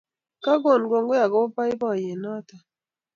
Kigon kongoi agoba boiboiyenyet noto